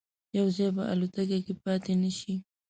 یو ځای به الوتکه کې پاتې نه شي.